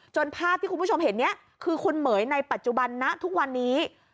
ภาพที่คุณผู้ชมเห็นนี้คือคุณเหม๋ยในปัจจุบันณทุกวันนี้